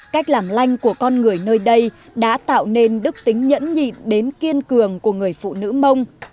cách làm lanh của con người nơi đây đã tạo nên đức tính nhẫn nhịn đến kiên cường của người phụ nữ mông